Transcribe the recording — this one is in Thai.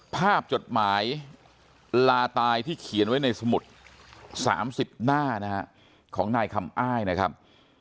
จดหมายลาตายที่เขียนไว้ในสมุด๓๐หน้านะฮะของนายคำอ้ายนะครับ